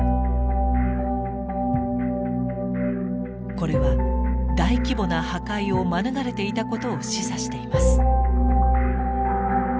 これは大規模な破壊を免れていたことを示唆しています。